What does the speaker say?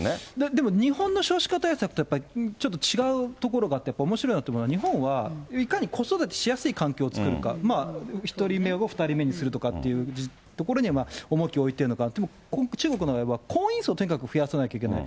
でも日本の少子化対策とやっぱりちょっと違うところがあって、やっぱりおもしろいなと思うのは、日本はいかに子育てしやすい環境を作るか、まあ１人目を２人目にするとかというところに重きを置いてるのが、でも、中国の場合は、婚姻数をとにかく増やさないといけない。